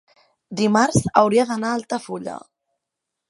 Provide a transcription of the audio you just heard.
dimarts hauria d'anar a Altafulla.